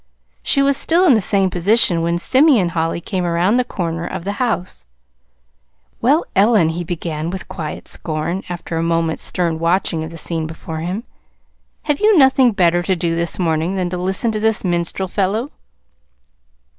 She was still in the same position when Simeon Holly came around the corner of the house. "Well, Ellen," he began, with quiet scorn, after a moment's stern watching of the scene before him, "have you nothing better to do this morning than to listen to this minstrel fellow?"